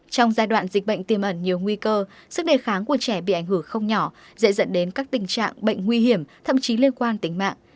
trong giai đoạn dịch bệnh tiềm ẩn nhiều nguy cơ sức đề kháng của trẻ bị ảnh hưởng không nhỏ dễ dẫn đến các tình trạng bệnh nguy hiểm thậm chí liên quan tính mạng